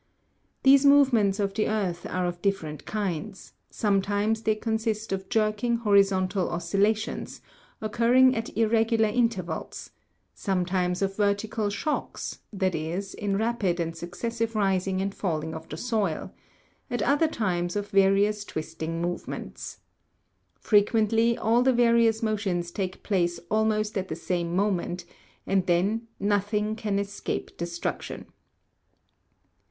These movements of the earth are of different kinds ; sometimes they consist of jerking horizon tal oscillations, occurring at irregular intervals, sometimes of verti cal shocks, that is, in rapid and successive rising and falling of the soil ; at other times of various twisting movements. Frequently all the various motions take place almost at the same moment, and then nothing can escape destruction.